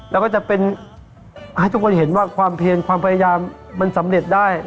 และให้ทุกคนเห็นว่าความเภพความพยายามมันสำเร็จได้